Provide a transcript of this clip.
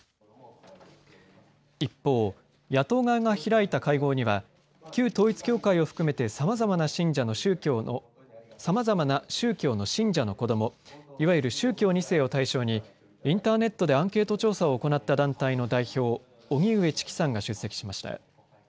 一方、野党側が開いた会合には旧統一教会を含めてさまざまな宗教の親者の子ども、いわゆる宗教２世を対象にインターネットでアンケート調査を行った団体の代表、荻上チキさんが出席しました。